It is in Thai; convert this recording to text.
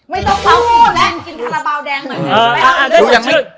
ไม่ต้องทำพี่แรงกินฮาลาเบาแดงเขวน